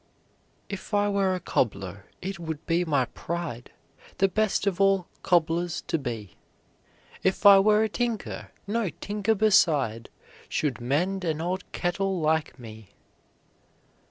If I were a cobbler, it would be my pride The best of all cobblers to be; If I were a tinker, no tinker beside Should mend an old kettle like me.